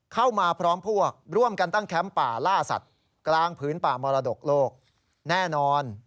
เข้ามาพร้อมพวกร่วมกันตั้งแคมป์ป่าล่าสัตว์กลางพื้นป่ามรดกโลกแน่นอน